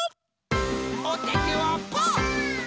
おててはパー！